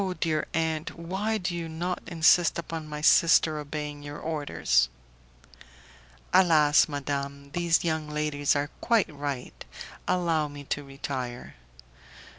dear aunt, why do you not insist upon my sister obeying your orders?" "Alas! madame, these young ladies are quite right. Allow me to retire."